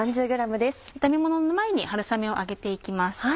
炒め物の前に春雨を揚げていきます。